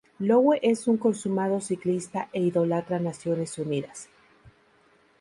Lowe es un consumado ciclista e idolatra Naciones unidas.